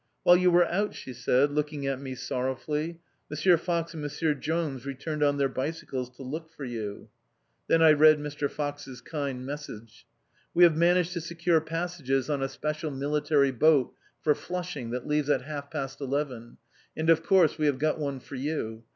"While you were out," she said, looking at me sorrowfully, "M. Fox and M. Jones returned on their bicycles to look for you." Then I read Mr. Fox's kind message. "We have managed to secure passages on a special military boat for Flushing that leaves at half past eleven and of course we have got one for you.